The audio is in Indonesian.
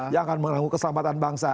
yang akan mengganggu keselamatan bangsa